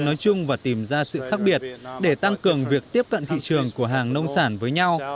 nói chung và tìm ra sự khác biệt để tăng cường việc tiếp cận thị trường của hàng nông sản với nhau